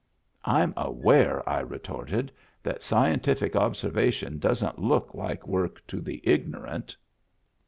" I'm aware," I retorted, " that scientific obser vation doesn't look like work to the ignorant."